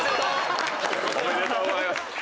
おめでとうございます！